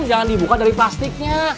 jangan dibuka dari plastiknya